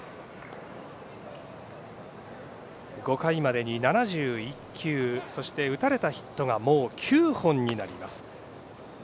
５回までに７１球そして、打たれたヒットはもう９本になります。